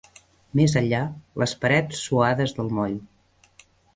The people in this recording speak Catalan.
Més enllà, les parets suades del moll